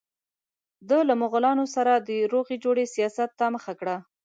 ده له مغولانو سره د روغې جوړې سیاست ته مخه کړه.